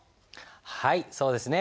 はいそうですね。